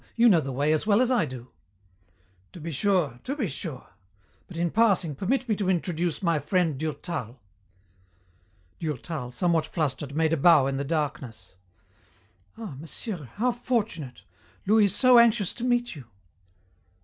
You know the way as well as I do." "To be sure, to be sure.... But, in passing, permit me to introduce my friend Durtal." Durtal, somewhat flustered, made a bow in the darkness. "Ah, monsieur, how fortunate. Louis is so anxious to meet you."